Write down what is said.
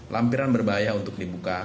lampiran berbahaya untuk dibuka